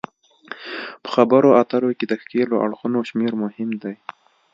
په خبرو اترو کې د ښکیلو اړخونو شمیر مهم دی